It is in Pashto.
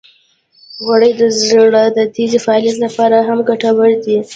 غوړې د زړه د تېزې فعالیت لپاره هم ګټورې دي.